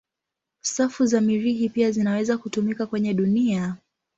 Safu za Mirihi pia zinaweza kutumika kwenye dunia.